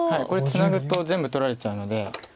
これツナぐと全部取られちゃうので。